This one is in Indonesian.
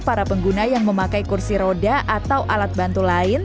para pengguna yang memakai kursi roda atau alat bantu lain